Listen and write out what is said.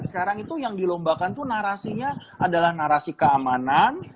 sekarang itu yang dilombakan itu narasinya adalah narasi keamanan